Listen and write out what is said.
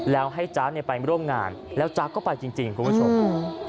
แล้วให้จ๊ะเนี่ยไปร่วมงานแล้วจ๊ะก็ไปจริงคุณผู้ชม